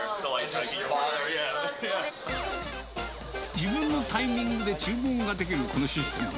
自分のタイミングで注文ができるこのシステム。